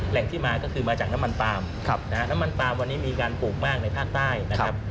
แหล่งที่มาก็คือมาจากน้ำมันปลามน้ำมันปาล์มวันนี้มีการปลูกมากในภาคใต้นะครับ